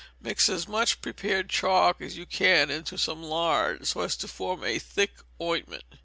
Mix as much prepared chalk as you can into some lard, so as to form a thick ointment.